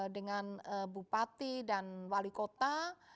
dengan bupati dan wali kota